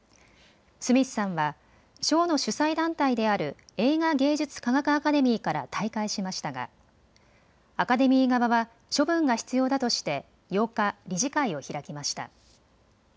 スミスさんは賞の主催団体である映画芸術科学アカデミーから退会しましたがアカデミー側は処分が必要だとして８日、理事会を開きました。